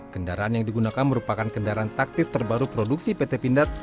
kendaraan yang digunakan merupakan kendaraan taktis terbaru produksi pt pindad